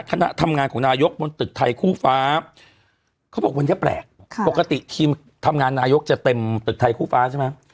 คณะทำงานของนายกบนตึกไทยคู่ฟ้าเขาบอกวันนี้แปลกปกติทีมทำงานนายกจะเต็มตึกไทยคู่ฟ้าใช่ไหม